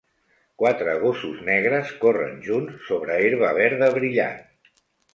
Quatre gossos negres corren junts sobre herba verda brillant.